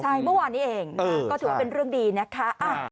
ใช่เมื่อวานนี้เองก็ถือว่าเป็นเรื่องดีนะคะ